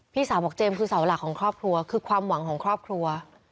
พี่สาวบอกเจมส์คือเสาหลักของครอบครัวคือความหวังของครอบครัว